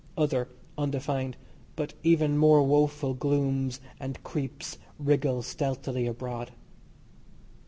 Other, undefined, but even more woeful glooms and creeps, wriggle stealthily abroad.